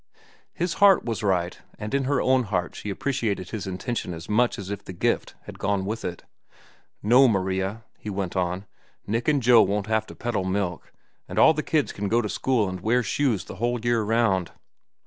His heart was right, and in her own heart she appreciated his intention as much as if the gift had gone with it. "No, Maria," he went on; "Nick and Joe won't have to peddle milk, and all the kids can go to school and wear shoes the whole year round.